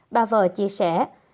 bà vợ chia sẻ